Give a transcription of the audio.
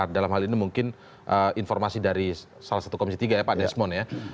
dalam hal ini mungkin informasi dari salah satu komisi tiga ya pak desmond ya